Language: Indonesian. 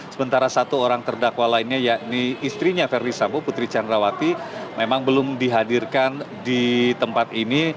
sementara satu orang terdakwa lainnya yakni istrinya verdi sambo putri candrawati memang belum dihadirkan di tempat ini